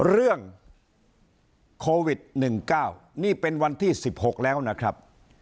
เรื่องโควิด๑๙นี่เป็นวันที่๑๖แล้วนะครับ